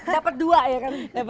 dapat dua ya kan